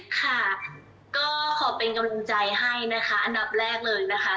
ค่ะก็ขอเป็นกำลังใจให้นะคะอันดับแรกเลยนะคะ